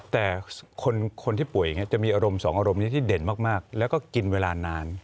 แต่คนที่ป่วยอย่างนี้จะมีอารมณ์สองอารมณ์นี้ที่เด่นมากแล้วก็กินเวลานาน